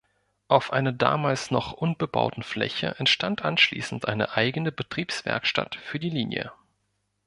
Auf einer damals noch unbebauten Fläche entstand anschließend eine eigene Betriebswerkstatt für die Linie.